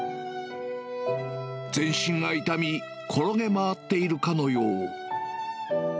全身が痛み、転げ回っているかのよう。